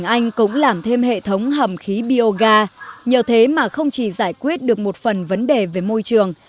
anh cũng làm thêm hệ thống hầm khí bioga nhờ thế mà không chỉ giải quyết được một phần vấn đề về môi trường